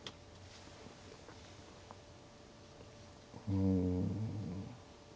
うん。